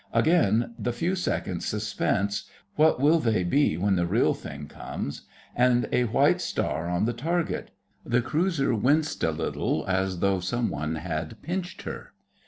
Again the few seconds suspense (what will they be when the Real Thing comes?) and a white star on the target. The cruiser winced a little, as though some one had pinched her.